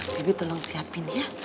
bebe tolong siapin ya